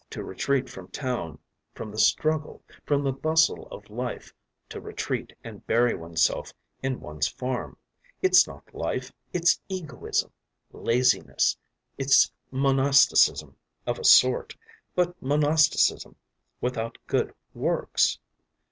To retreat from town, from the struggle, from the bustle of life, to retreat and bury oneself in one’s farm it’s not life, it’s egoism, laziness, it’s monasticism of a sort, but monasticism without good works.